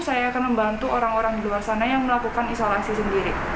saya akan membantu orang orang di luar sana yang melakukan isolasi sendiri